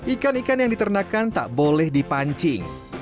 ikan ikan yang diternakan tak boleh dipancing